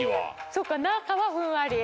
そっかなかはふんわり。